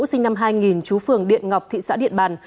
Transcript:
sinh năm hai nghìn chú phường điện ngọc thị xã điện bàn